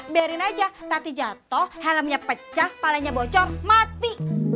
biarin aja tati jatuh helmnya pecah palenya bocor mati